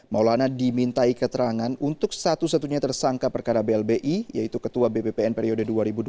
maulana dimintai keterangan untuk satu satunya tersangka perkara blbi yaitu ketua bppn periode dua ribu dua puluh